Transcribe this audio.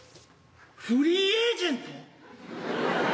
フリーエージェント？